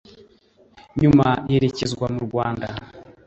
nyuma yerekezwa mu Rwanda